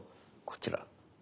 こちら。